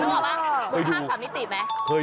นึกออกมั้ยภาพสามิติมั้ย